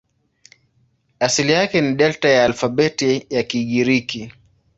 Asili yake ni Delta ya alfabeti ya Kigiriki.